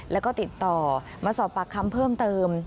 แล้วก็ติดต่อมาสอบปากคำเพิ่มเติม